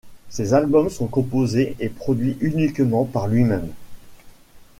Ses albums sont composés et produits uniquement par lui-même.